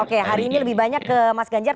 oke hari ini lebih banyak ke mas ganjar